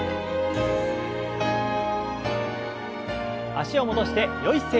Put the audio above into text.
脚を戻してよい姿勢に。